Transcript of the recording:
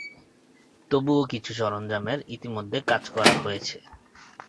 তবুও কিছু সরঞ্জামের ইতিমধ্যে কাজ করা হয়েছে।